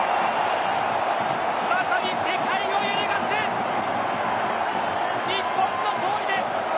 再び世界を揺るがす日本の勝利です！